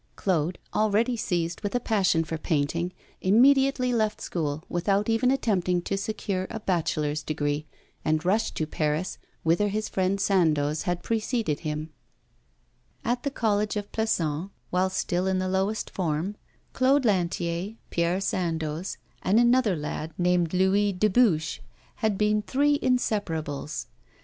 Claude, already seized with a passion for painting, immediately left school without even attempting to secure a bachelor's degree, and rushed to Paris whither his friend Sandoz had preceded him. * Gervaise of 'The Dram Shop' (L'Assommoir). ED. At the College of Plassans, while still in the lowest form, Claude Lantier, Pierre Sandoz, and another lad named Louis Dubuche, had been three inseparables.